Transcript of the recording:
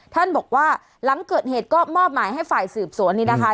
ท่านบอกว่าหลังเกิดเหตุก็มอบหมายให้ฝ่ายสืบสวนนี้นะคะ